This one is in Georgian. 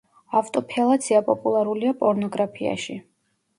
ავტოფელაცია პოპულარულია პორნოგრაფიაში.